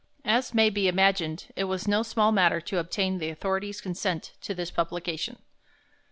As may be imagined, it was no small matter to obtain the authorities' consent to this publication.